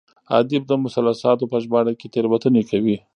ادیب د مثلثاتو په ژباړه کې تېروتنې کوي.